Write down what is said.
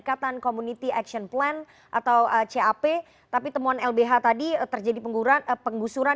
jadi ini adalah dekatan community action plan atau cap tapi temuan lbh tadi terjadi pengusuran